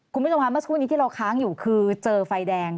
คุณผู้ชมภาพมาสกุลนี้ที่เราค้างอยู่คือเจอไฟแดง